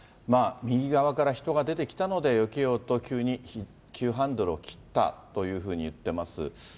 右側から人が出てきたので、よけようと急に急ハンドルを切ったというふうに言ってます。